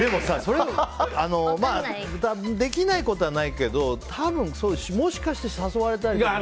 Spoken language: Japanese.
できないことはないけど多分、もしかして誘われたりとか。